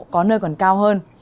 có nơi còn cao hơn